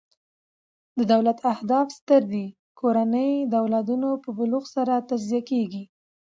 د دولت اهداف ستر دي؛ کورنۍ د او لادونو په بلوغ سره تجزیه کیږي.